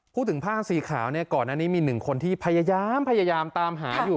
พูดถึงผ้าสีขาวก่อนหน้านี้มี๑คนที่พยายามตามหาอยู่